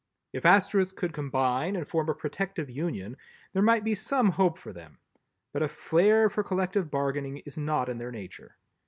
If Asterisks could combine and form a protective union, there might be some hope for them, but a flair for collective bargaining is not in their nature.